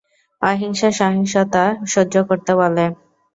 অহিংসা সহিংসতা সহ্য করতে বলে।